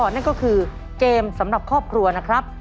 นั่นก็คือเกมสำหรับครอบครัวนะครับ